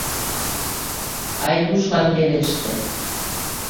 Айдушлан вереште!..